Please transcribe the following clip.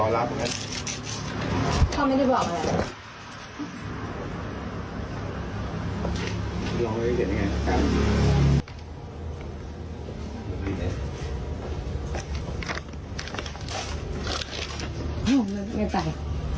ลองดูให้เห็นยังไง